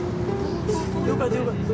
よかったよかった。